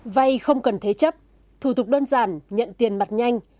vay không cần thế chấp thủ tục đơn giản nhận tiền mặt nhanh